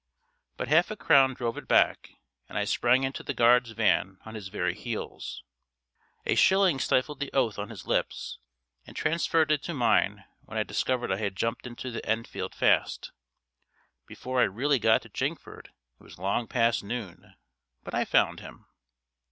But half a crown drove it back, and I sprang into the guard's van on his very heels. A shilling stifled the oath on his lips, and transferred it to mine when I discovered I had jumped into the Enfield Fast. Before I really got to Chingford it was long past noon. But I found him.